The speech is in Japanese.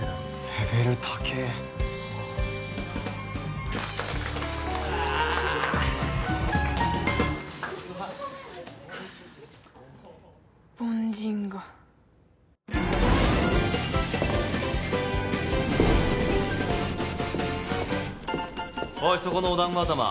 レベル高え凡人がおいそこのお団子頭